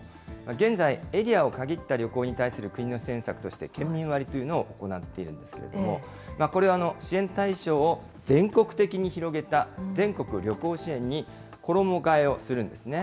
現在、エリアを限った旅行に対する国の支援策として、県民割というのを行っているんですけれども、これ、支援対象を全国的に広げた、全国旅行支援に衣がえをするんですね。